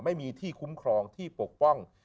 ไม่มีที่คุ้มครองที่ปกป้อง